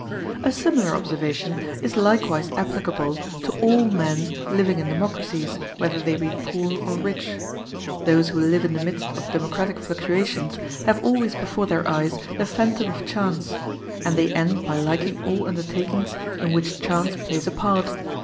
A similar observation is likewise applicable to all men living in democracies, whether they be poor or rich. Those who live in the midst of democratic fluctuations have always before their eyes the phantom of chance; and they end by liking all undertakings in which chance plays a part.